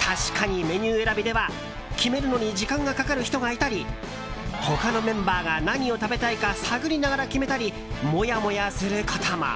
確かにメニュー選びでは決めるのに時間がかかる人がいたり他のメンバーが何を食べたいか探りながら決めたりモヤモヤすることも。